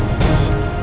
aku akan menang